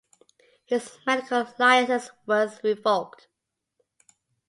His medical license was revoked.